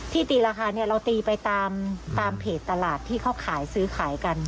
ตีราคาเนี่ยเราตีไปตามเพจตลาดที่เขาขายซื้อขายกัน